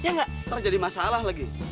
ntar jadi masalah lagi